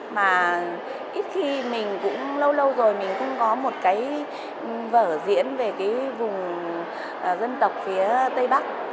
mà ít khi mình cũng lâu lâu rồi mình cũng có một cái vở diễn về cái vùng dân tộc phía tây bắc